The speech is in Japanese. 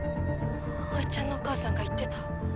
葵ちゃんのお母さんが言ってた。